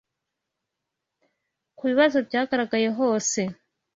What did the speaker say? ku bibazo byagaragaye hose